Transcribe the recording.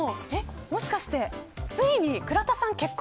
もしかしてついに倉田さん結婚。